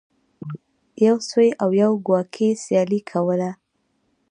یو سوی او یو کواګې سیالي کوله.